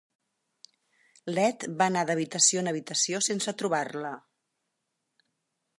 L'Ed va anar d'habitació en habitació sense trobar-la.